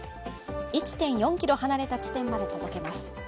１．４ｋｍ離れた地点まで届けます